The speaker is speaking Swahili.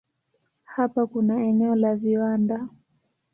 Hapa kuna eneo la viwanda.